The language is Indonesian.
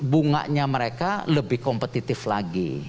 bunganya mereka lebih kompetitif lagi